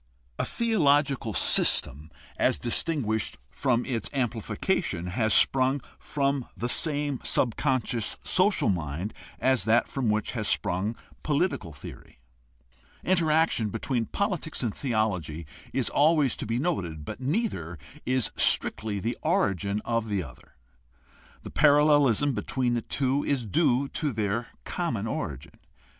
A theological system, 50 GUIDE TO STUDY OF CHRISTIAN RELIGION as distinguished from its amplification, has sprung from the same subconscious social mind as that from which has sprung political theory. Interaction between politics and theology is always to be noted, but neither is strictly the origin of the other. The parallelism between the two is due to their com mon origin.